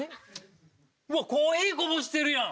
うわっコーヒーこぼしてるやん。